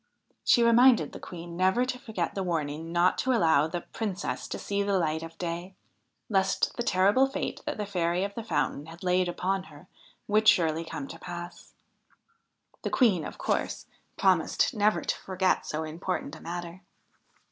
She reminded the Queen never to forget the warning not to allow the Princess to see the light of day, lest the terrible fate that the Fairy of the Fountain had laid upon her would surely come to pass. The Queen, of course, promised never to forget so important a matter.